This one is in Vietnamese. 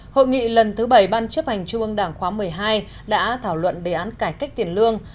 hội nghị lần thứ bảy ban chấp hành trung ương đảng khóa một mươi hai đã thảo luận đề án cải cách tiền lương